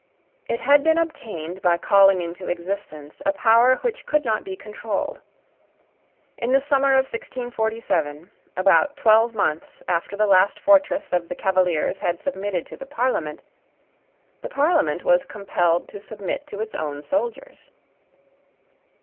It had been obtained by calling into existence a power which could not be controlled. In the summer of 1647, about twelve months after the last fortress of the Cavaliers had submitted to the Parliament, the Parliament was compelled to submit to its own soldiers.